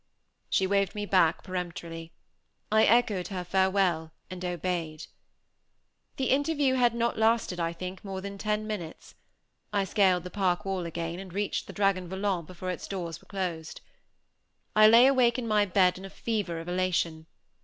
She waved me back, peremptorily. I echoed her "farewell," and obeyed. This interview had not lasted, I think, more than ten minutes. I scaled the park wall again, and reached the Dragon Volant before its doors were closed. I lay awake in my bed, in a fever of elation.